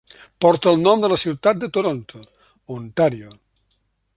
Porta el nom de la ciutat de Toronto, Ontario.